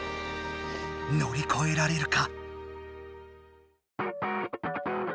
のりこえられるか。